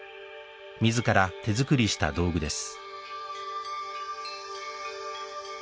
自ら手作りした道具です